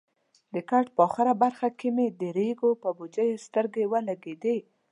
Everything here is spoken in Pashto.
د کټ په اخره برخه کې مې د ریګو پر بوجیو سترګې ولګېدې.